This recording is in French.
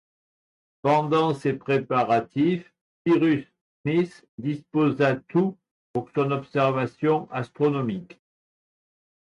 Pendant ces préparatifs, Cyrus Smith disposa tout pour son observation astronomique